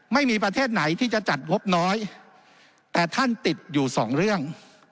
ไม่มีประเทศไหนที่จะจัดงบน้อยแต่ท่านติดอยู่สองเรื่อง